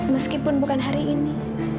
meskipun bukan hari ini